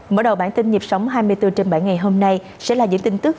mở đầu bản tin nhịp sống hai mươi bốn trên bảy ngày hôm nay sẽ là những tin tức